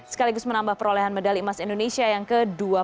sekaligus menambah perolehan medali emas indonesia yang ke dua puluh satu